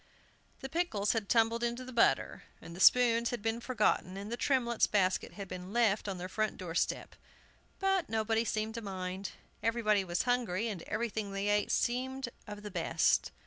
The pickles had tumbled into the butter, and the spoons had been forgotten, and the Tremletts' basket had been left on their front door step. But nobody seemed to mind. Everybody was hungry, and everything they ate seemed of the best.